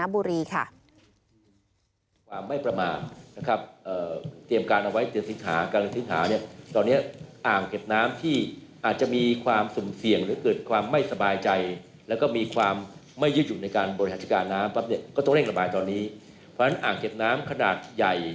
เพราะฉันอ่างเก็บน้ำขนาดใหญ่